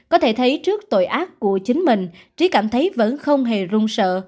có thể thấy trước tội ác của chính mình trí cảm thấy vẫn không hề rung sợ